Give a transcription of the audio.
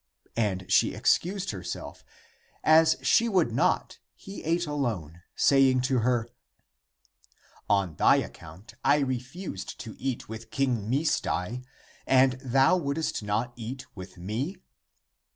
And she excused herself. As she would not, he ate alone, saying to her, " On thy account I re fused to eat with King Misdai, and thou wouldst not eat with me?